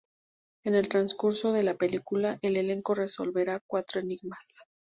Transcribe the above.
En el transcurso de la película, el elenco resolverá cuatro enigmas.